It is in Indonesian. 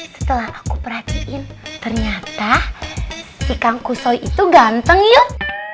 setelah aku perhatiin ternyata si kangkusoi itu ganteng yuk